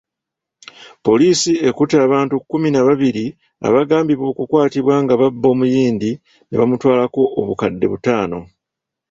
Poliisi ekutte abantu kkumi na babiri abagambibwa okukwatibwa nga babba omuyindi ne bamutwalako obukadde butaano.